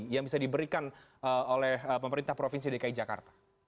yang bisa diberikan oleh pemerintah provinsi dki jakarta